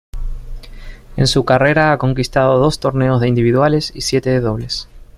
En su carrera ha conquistado dos torneos de individuales y siete de dobles.